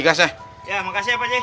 ya assalamualaikum pak ji